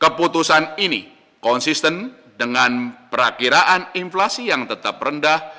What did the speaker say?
keputusan ini konsisten dengan perakiraan inflasi yang tetap rendah